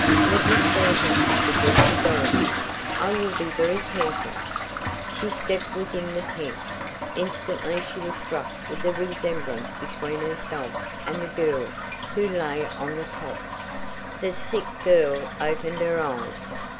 "Let me see her," suggested Dorothy. "I will be very careful." She stepped within the tent. Instantly she was struck with the resemblance between herself and the girl who lay on the cot. The sick girl opened her eyes.